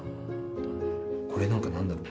これなんかなんだろう